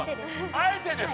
あえてです。